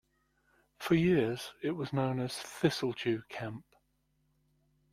For years it was known as Thistledew Camp.